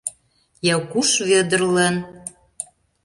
Якуш Вӧдырлан...